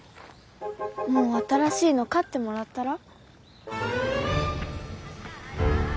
もう新しいの買ってもらったら？